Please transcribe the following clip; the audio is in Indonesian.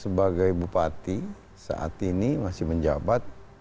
sebagai bupati saat ini masih menjabat